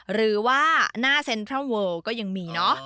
หรือว่าหน้าเซ็นทรัลเวิลก็ยังมีเนอะ